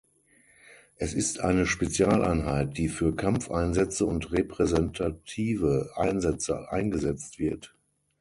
Es ist eine Spezialeinheit, die für Kampfeinsätze und repräsentative Einsätze eingesetzt wird.